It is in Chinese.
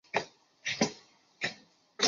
达怀县是越南林同省下辖的一个县。